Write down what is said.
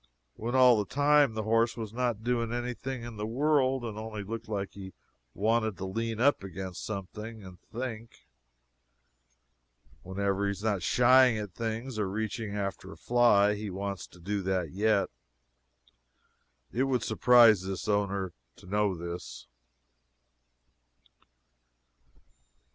when all the time the horse was not doing anything in the world, and only looked like he wanted to lean up against something and think. Whenever he is not shying at things, or reaching after a fly, he wants to do that yet. How it would surprise his owner to know this.